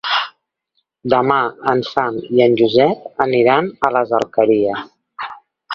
Demà en Sam i en Josep iran a les Alqueries.